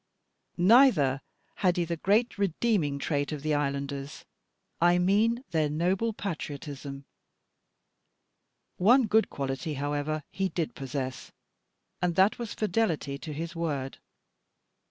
Neither had he the great redeeming trait of the islanders, I mean their noble patriotism. One good quality, however, he did possess, and that was fidelity to his word.